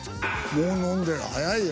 もう飲んでる早いよ。